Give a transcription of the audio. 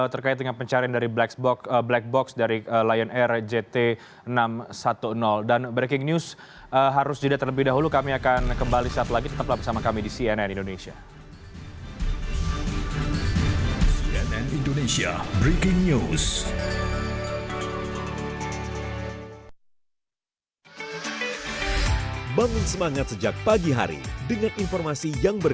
terima kasih rizky